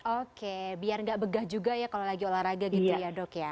oke biar gak begah juga ya kalau lagi olahraga gitu ya dok ya